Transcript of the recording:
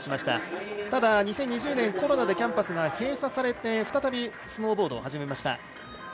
ただ２０２０年コロナでキャンパスが閉鎖され再びスノーボードを始めました。